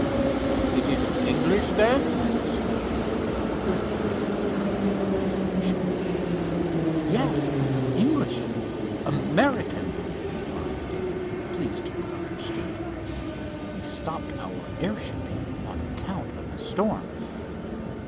"It is English, then?" spoke the man, with very fair pronunciation. "Yes, English—American," replied Dave, pleased to be understood. "We stopped our airship here on account of the storm."